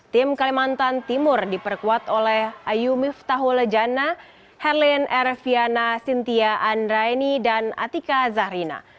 tim kalimantan timur diperkuat oleh ayu miftahulajana herlien erfiana cynthia andraeni dan atika zahrina